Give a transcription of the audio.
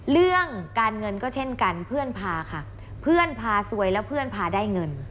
เรื่องการเงินก็เช่นกันเพื่อนพาค่ะเพื่อนพาสวยแล้วเพื่อนพาได้เงิน